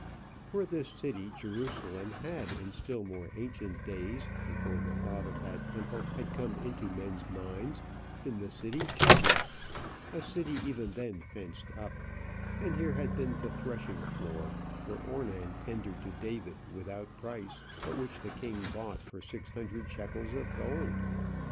For this city, Jerusalem, had, in still more ancient days, before the thought of that temple had come into men's minds, been the city Jebus, a city even then fenced up, and here had been the threshing floor which Ornan tendered to David without price, but which the king bought for six hundred shekels of gold.